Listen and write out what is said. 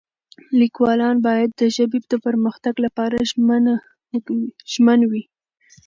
لیکوالان باید د ژبې د پرمختګ لپاره ژمن وي.